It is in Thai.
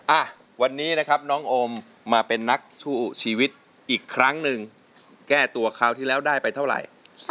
อ่ะวันนี้นะครับน้องโอมมาเป็นนักสู้ชีวิตอีกครั้งหนึ่งแก้ตัวคราวที่แล้วได้ไปเท่าไหร่